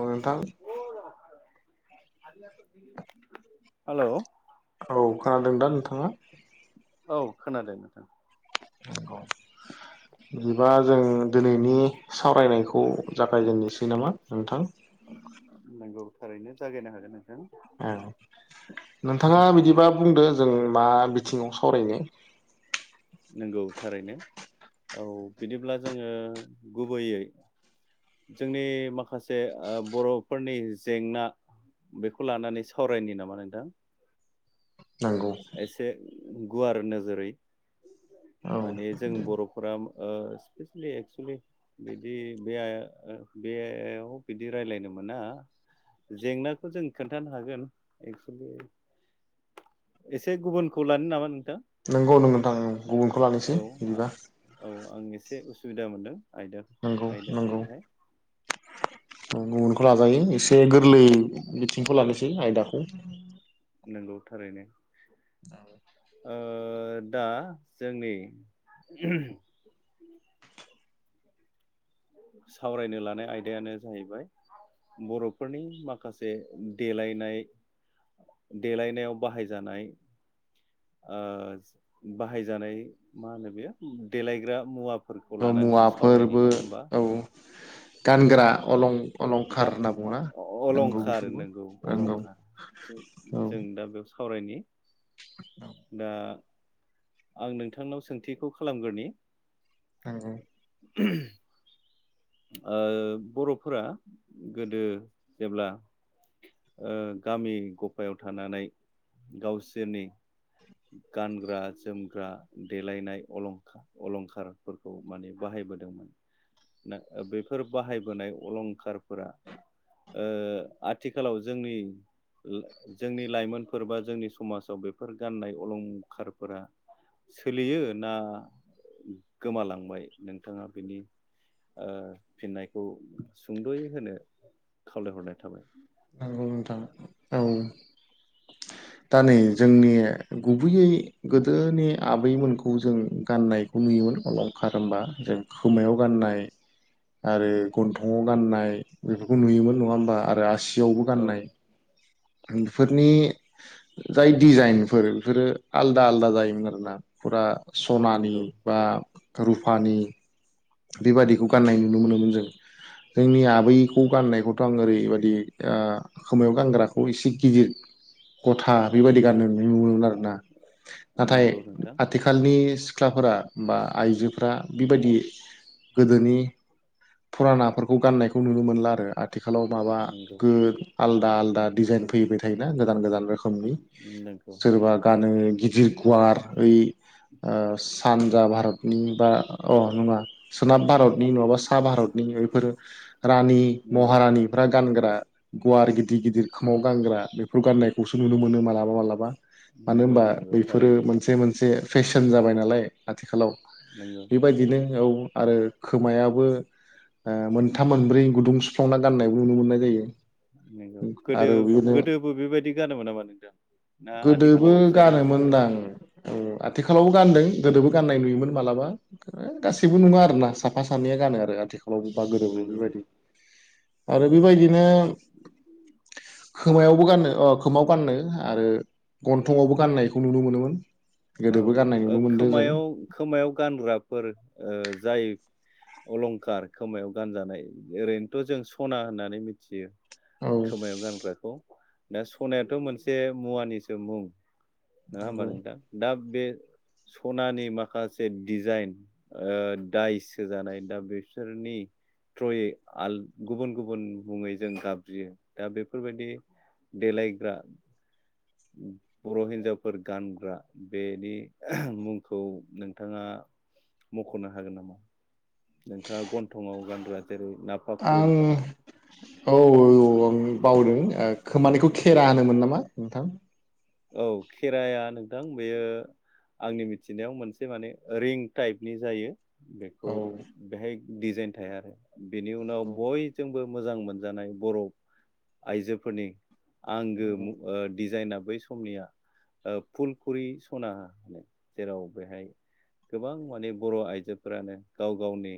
अ नथां। हालौ औ खोनादों दा नोंथाङा? औ खोनादों नोंथां। बिदिबा जों दिनैनि सावरायनायखौ जागायजेननोसै नामा नोंथां? नोंगौ थारैनो जागायनो हागोन नों। ओ नोंथाङा बिदिबा बुंदो जों मा बिथिङाव सावरायनो। नोंगौ थारैनो औ बिदिब्ला जोङो गुबैयै जोंनि माखासे आ बर'फोरनि जेंना बेखौ लानानै सावरायनि नामा नोंथां? नंगौ एसे उम गुवार नोजोरै औ माने जों बर'फोरा ओ स्पेसिलि एक्सुलि बिदि बे [unintelligible] बिदि रायलायदों मोना जेंनाखौ जों खोन्थानो हागोन एक्सुलि एसे गुबुनखौ लानो नामा नों नोंगौ नोंथां गुबुनखौ औ लानोसै बिदिबा [unintelligible] बिदा मोनदों। आयदा नोंगौ आयदाखौ नोंगौ बेहाय गुबुन खौ लाजायो एसे गोरलै बिथिंखौ लानोसै आयदाखौ। नोंगौ थारैनो। औ ओ दा जोंनि सावरायनो लानाय आयदायानो जाहैबाय बर'फोरनि माखासे देलायनाय देलायनायाव बाहायजानाय ओ ज बाहायजानाय मा होनो बेयो उम देलायग्रा मुवा औ मुवाफोरबो औ। गानग्रा अलं। गा अलंखार होनना बुङोना अ नंगौ अलंखार बेफोरबो नोंगौ नंगौ अलंखार जों औ जों दा बेयाव सा सावरायनि। दा आं नोंथांनाव सोंथिखौ खालामग्रोनि नोंगौ। [inaudible] ओ बर'फोरा गोदो जेब्ला ओ गामि गफायाव थानानै गावसोरनि गानग्रा जोमग्रा देलायनाय अलंखार अलंखारफोरखौ माने बाहायबोदोंमोन नो बेफोर बाहायबोनाय अलंखारफोरा ओ आथिखालाव जोंनि ला जोंनि लाइमोनफोर बा जोंनि समाजाव बेफोर गाननाय अलंखारफोरा सोलियो ना गोमालांबाय नोंथाङा बेनि ओ फिननायखौ सुंद'यै होनो खावलायहरनाय थाबाय। नोंगौ नोंथां औ दा नै जोंनि गुबैयै गोदोनि आबैमोनखौ जों गाननायखौ नुयोमोन अलंखार होनबा। जों खोमायाव गाननाय आरो गन्थंङाव गाननाय बेफोरखौ नुयोमोन नङा होमबा आरो आस सियावबो औ गाननाय बिफोरनि जाय डिजाइनफोर बिफोरो आलदा आलदा जायोमोन आरोना फुरा सनानि नंगौ बा रुफानि। बेबादिखौ गाननाय नुनो मोनोमोन जों जोंनि आबैखौ गाननाय [unintelligible] थ आं ओरैबायदि ओ खोमायाव गानग्राखौ एसे गिदिर गथा बेबायदि गाननो नुनो मोनो आरो। नाथाय नंगौ नोंथां आथिखालनि सिख्लाफोरा बा आइजोफोरा बेबायदि गोदोनि फुरानाफोरखौ गाननायखौ नुनो मोनला आरो। आथिखालाव माबा नंगौ गोन आलदा आलदा डिजाइन फैबाय थायो ना गोदान गोदान रोखोम रोखोमनि नंगौ सोरबा गानो गिदिर गुवार ओइ ओ सानजा भारतनि बा अ नङा सोनाब भारत बि नङाबा सा भारतनि बेफोर रानि नंगौ महारानि गानग्रा गुवार गिदिर गिदिर खोमाव गानग्रा बेफोर गाननाय खौसो नुनो मोनो मालाबा मालाबा मानो नंगौ होनबा नंगौ बेफोरो थारैनो मोनसे मोनसे फेसन जाबाय नालाय। आथिखालाव नंगौ बेबायदिनो औ। आरो खोमायाबो मोनथाम मोनब्रै गुदुं सुफ्लांना गाननाय नुनो मोननाय जायो नंगौ गोदो आरो बेदिनो गोदोबो बेबायदि गानोमोन नामा नोंथां ना गोदोबो आथिखालावसो गानसै बेबो गानोमोनदां औ आथिखालावबो गानदों। गोदोबो गाननाय नुयोमोन मालाबा। गासिबो उम नङा साफा सानैया गानो आरो आथि खालाव बा गोरोबै नंगौ बेबायदि आरो बेबायदिनो खोमायावबो गाननो अ खोमायाव गाननो आरो गन्थंआवबो गाननायखौ नुनो मोनोमोन। गोदोबो गाननाय औ नुनो मोनदों जों खोमायाव खोमायाव गानग्राफोर ओ जाय अलंखार खोमायाव गानजानाय ओरैनोथ' जों सना होननानै मिथियो। औ खोमायाव गानग्राखौ दा सनायाथ' मोनसे मुवानिसो मुं नोंङा होनबा नंगौ नोंथां। बे सनानि माखासे दिडजाइन ओ दायस होजानाय दा बेसोरनि थ्रयै गुबुन गुबुन मुङै जों गाबज्रियो दा बेफोरबायदि देलायग्रा बर' हिन्जावफोर गानग्रा बेनि मुंखौ नोंथाङा मख'नो हागोन नामा? नोंथाङा गन्थंआव गानग्रा जेरै नाफा आं कुल औ औ आं बावदों ओ खोमानिखौ खेरा होनोमोन नामा। नोंथां। औ खेराया नोंथां बेयो आंनि मिथिनायाव मोनसे माने रिं टाइपनि जायो। बेखौ औ बेहाय डिजाइन थाया आरो। बिनि उनाव नंगौ बयजोंबो मोजां मोनजानाय बरू आइजोफोरनि नंगौ आंगो मुं ओ डिजाइना [unintelligible] समनिया फुलखुरि सना होनो जेराव बेहाय गोबां माने बर' आइजोफोरानो गाव गावनि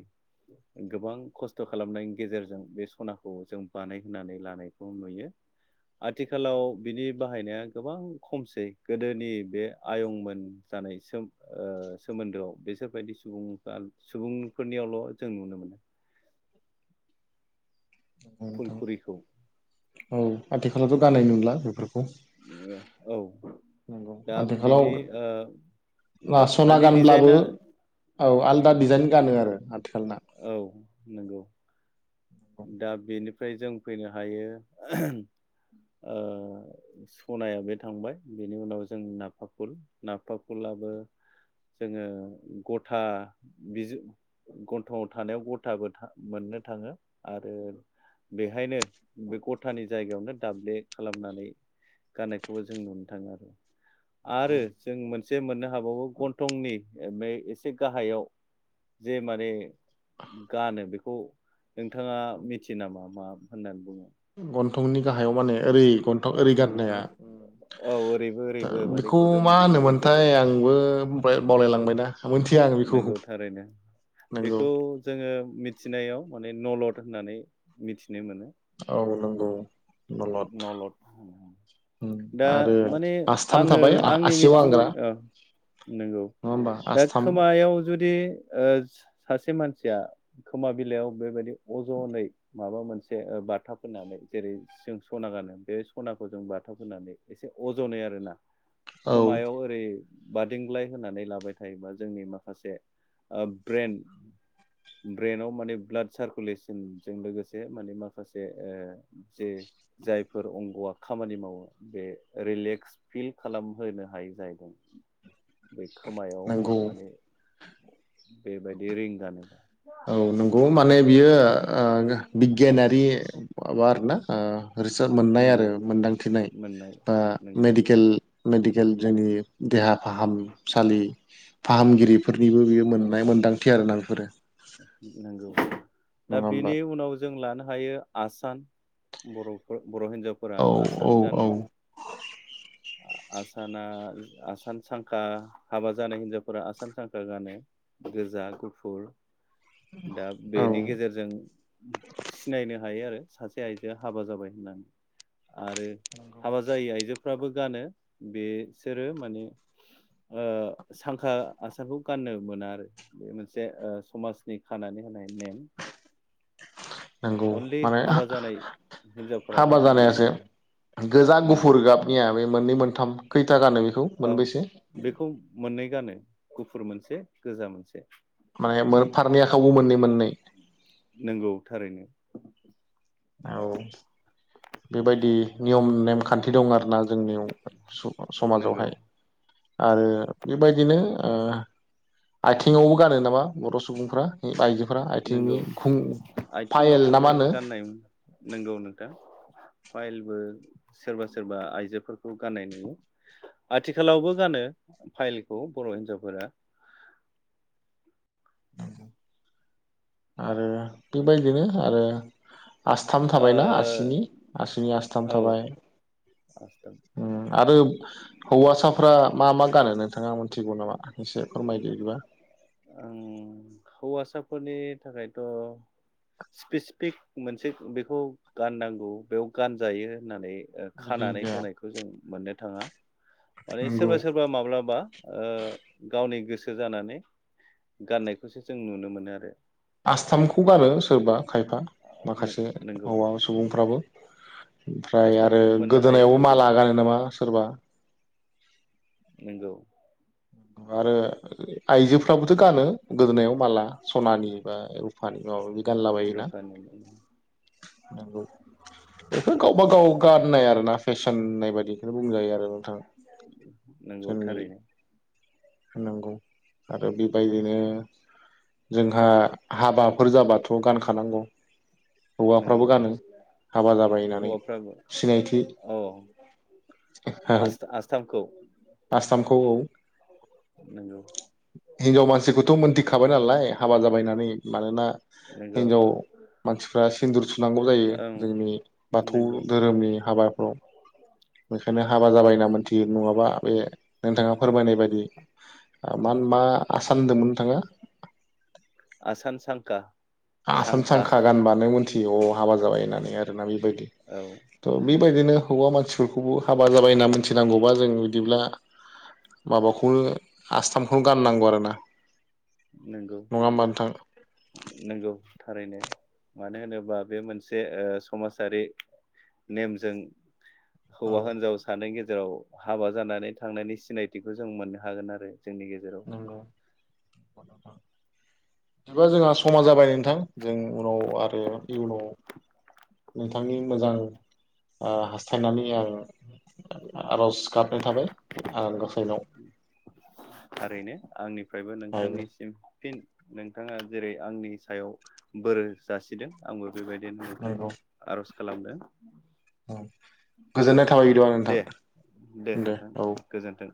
गोबां खस्थ खालामनायनि गेजेरजों बे सनाखौ जों बानायहोनानै लानायखौ नुयो आथिखालाव बिनि बाहायनाया गोबां खमसै गोदोनि बे आयंमोन जानाय सोम ओ सोमोन्दोआव बिसोरबायदि सुबुं सुबुंफोरनियावल' जों नुनो मोनो। [inaudible] नोंथां फुलखुरिखौ। औ आथिखालावथ' गाननाय नुला बेफोरखौ। औ नंगौ दा आथिखालाव बिनि ओ सना बिनि गानब्लाबो डिजाइना औ आलदा डिजाइन गानो आरो माथो औ नंगौ दा बेनि ओमफ्राय जों फैनो हायो ओ सनाया बे थांबाय बेनि उनाव जों नाफा फुल नाफा फुलाबो जोङो गथा बिज गन्थंआव थानायाव गथाबो था मोननो थाङो आरो बेहायनो बे गथानि जायगायावनो दाब्ले खालामनानै गाननायखौबो जों नुनो थाङो आरो आरो जों मोनसे मोननो हाबावो गन्थंनि बे एसे गाहायाव जे माने गानो बेखौ नोंथाङा मिथियो नामा मा होननानै बुङो गन्थंनि गाहायाव माने ओरै गन्थ ओरै गाननाया औ ओरैबो ओरैबो माने बेखौ मा गुदुंनि गेजेरजों होनोमोनथाय आंबो बावलायलांबायना मोनथिया आं बेखौ नंगौ थारैनो नंगौ बेखौ जोङो मिथिनायाव माने नलद होननानै मिथि औ नंगौ नलद दा आरो ओ माने आस्थाम आङो थाबाय आंनि आसियाव मिथि गानग्रा औ नंगौ नङा होमबा दा आसथाम खोमायाव जुदि ओ सासे मानसिया खोमा बिलाइयाव बेबायदि अजनै माबा मोनसे बाथाब होनानै जेरै जों सना गानो बे सनाखौ जों बाथाब होनानै एसे अजनै आरोना औ खोमायाव ओरै बादिंग्लाय होनानै लाबाय थ जायोबा जोंनि माखासे ब्रेन ब्रेनाव माने ब्लाड सारकुलेसनजों लोगोसे माने माखासे जे जायफोर अंगआ खामानि मावो बे रिलेक्स फिल खालामहोनो हाय जाहैदों बे खोमायाव नंगौ माने बेबायदि रिं गानोबा औ नंगौ माने बियो बिगियानारि बार ना आ रिसोल मोननाय आरो नंगौ मोनदांथिनाय मोननाय बा नंगौ मेडिकेल मेडिकेल जोंनि देहा फाहामसालि फाहामगिरिफोरनिबो बेयो मोननाय मोन्दांथि आरोना बेफोरो। नंगौ। दा नङा होमबा बेनि उनाव जों लानो ओमफायो आसान बरफोर बर हिन्जावफोरा औ औ आसान औ गानो। आसाना आसान सांखा हाबा जानाय हिनजावफोरा आसान सांखा गानो गोजा गुफ फुर दा औ बेनि गेजेरजों सिनायनो हायो आरो। सासे आइजोआ हाबा जाबाय होननानै। आरो हाबा जायै आइजोफ फ्राबो गानो बे सोरो माने ओ सांखा आसानखौ गाननो मोना आरो बे मोन जे ओ समाजनि खानानै होनाय नेम नंगौ अनलि माने हाबा जानाय हिनजावफोराल' हा-हा-हाबा गाननो जानायासो मोनगोन आरो गोजा नंगौ गुफुर गाबनिया बे मोननै मोनथाम खैथा गानो बेखौ औ मोनबैसे बेखौ मोननै गानो गुफुर मोनसे गोजा मोनसे। माने मो फारनै आखायावबो मोननै मोननै? नंगौ थारैनो। औ बेबायदि नियम नेमखान्थि दं आरोना जोंनियाव नंगौ स-समाजावहाय आरो बेबायदिनो ओ आथिङावबो गानो नामा बर' सुबुंफ्रा आइजो फोरा नंगौ आथिंनि खुं फायेल आथिङावबो ना मा होनो? गाननाय नंगौ नोंथां फाइलबो सोरबा सोरबा आइजोफोरखौ गाननाय नुयो आथिखालावबो गानो फाइलखौ बर' हिनजावफोरा। आरो बेबायदिनो आरो आसथाम थाबायना आसिनि आसिनि आसथाम ओ औ थाबाय। आसथाम उम आरो हौवासाफ्रा मा मा गानो नोंथाङा मोनथिगौ नामा एसे फोरमायदो इदिबा? ओं हौवासाफोरनि थाखायथ स्पेसिफिक मोनसे बेखौ गाननांगौ बेयाव गानजायो होननानै ओ बिदि खानानै जाया होनायखौ जों मोननो थाङा। माने नंगौ सोरबा सोरबा माब्लाबा ओ गावनि गोसो सो जानानै गाननायखौसो जों नुनो मोनो आरो। आसथामखौ गानो सोरबा खायफा माखासे नोंगौ हौवा सुबुंफ्राबो। ओमफ्राय आरो आसथामखौ मोननो हायो गोदोनायावबो नोंगौ माला गानो नामा सोरबा? नोंगौ। आरो आइजोफ्राबोथ' गानो गोदोनायाव माला सनानि बा रुफानि माबा मादि गानला बायोना। रुफानि बेफोर गावबा गाव गाननाय आरो ना फेसन होननायबादिखौनो बुंजायो आर नंगौ थारैनो। होनांगौ आरो बेबायदिनो जोंहा हाबाफोर जाबाथ' गानखानांगौ हौवाफ्राबो नंगौ गानो हाबा जाबाय होननानै हौवाफ्राबो सिनायथि औ आस्था-आस्थाम खौ। आसामखौ औ। नोंगौ। हिनजाव मानसिखौथ' मोनथिखाबाय नालाय हाबा जाबाय होननानै। मानोना नंगौ हिनजाव मानसिफ्रा सिन्दुर थुनांगौ जायो ओं जोंनि बाथौ नंगौ धोरोमनि हाबाफ्राव बेखायनो हाबा जाबाय होनना मोनथियो नङाबा बे नोंथाङा फोरमायनाय बायदि मा होन मा आसान होनदोंमोन नोंथाङा? आसान सांखा। आसाम सांखा गानबानो मोनथियो अ हाबा जाबाय होननानै आरो। माने बै औ थ बेबायदिनो हौवा मानसिफोरखौबो हाब हाबा जाबाय होनना मिथिनांगौबा जों, बिदिब्ला माबाखौनो आसथामखौनो गाननांगौ आरोना। नंगौ नङा होमबा नोंथां नंगौ। थारैनो मानो होनोबा। बे मोनसे समाजारि नेमजों। औ हौवा हिनजाव सानै गेजेराव जेराव हाबा जानानै थांनायनि सिनायथिखौ जों मोननो हागोन आरो। जोंनि गेजेराव। एबा जोंहा समा जाबाय नोंथां जों उनाव आरो इयुनाव नोंथांनि मोजां हास्थायनानै आं आर'ज गाबनाय थाबाय। आनान गसायनाव। थारैनो आंनि। फ्रायबो नोंथांनिसिम फिन नोंथाङा जेरै आंनि सायाव बोर जासिदों आंबो बेबायदिनो नंगौ बिथांनाव आर'ज खालामदों औ गोजोननाय थाबाय बिदिबा नोंथां, दे दे नोंथां औ। गोजोन्थों।